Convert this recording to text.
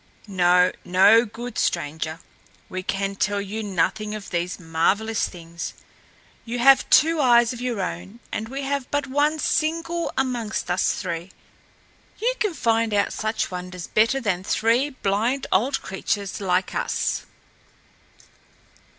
No, no, good stranger! we can tell you nothing of these marvelous things. You have two eyes of your own and we have but a single one amongst us three. You can find out such wonders better than three blind old creatures like us."